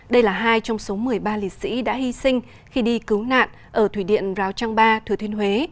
đây là hai trong số một mươi ba liệt sĩ đã hy sinh khi đi cứu nạn ở thủy điện rào trang ba thừa thiên huế